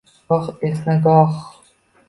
goh esna, goh...